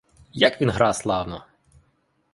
Як він гра славно!